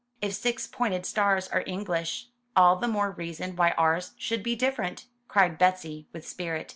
"If six pointed stars are English, all the more reason why ours should be different!" cried Betsy with spirit.